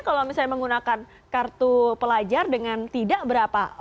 kalau misalnya menggunakan kartu pelajar dengan tidak berapa